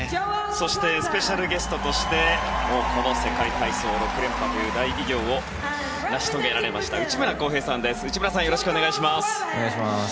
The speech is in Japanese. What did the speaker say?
そしてスペシャルゲストとしてこの世界体操４連覇という大偉業を成し遂げられました内村航平さんです。